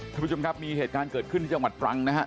ท่านผู้ชมครับมีเหตุการณ์เกิดขึ้นที่จังหวัดตรังนะฮะ